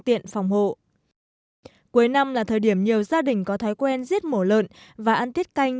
tiện phòng hộ cuối năm là thời điểm nhiều gia đình có thói quen giết mổ lợn và ăn tiết canh